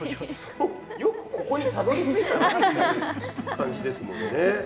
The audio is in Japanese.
よくここにたどりついたなって感じですもんね。